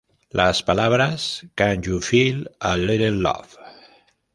Las palabras "Can you feel a little love?